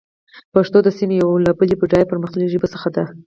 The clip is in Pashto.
پښتو د سيمې يوه له بډايه او پرمختللو ژبو څخه ده.